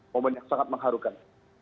momen yang sangat mengharukan